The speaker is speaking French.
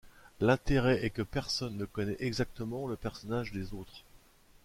L’intérêt est que personne ne connaît exactement le personnage des autres.